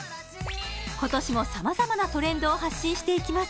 今年も様々なトレンドを発信していきます